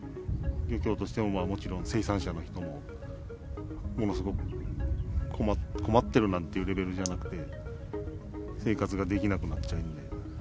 漁協としてももちろん、生産者の人も、ものすごく困ってるなんていうレベルじゃなくて、生活ができなくなっちゃうんで。